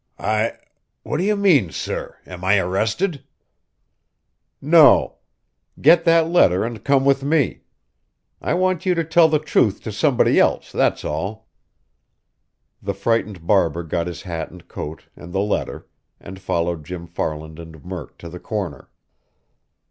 "I what do you mean, sir? Am I arrested?" "No. Get that letter and come with me. I want you to tell the truth to somebody else, that's all." The frightened barber got his hat and coat and the letter, and followed Jim Farland and Murk to the corner.